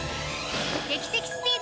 劇的スピード！